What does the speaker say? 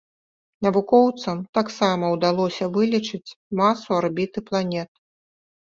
Навукоўцам таксама ўдалося вылічыць масу арбіты планет.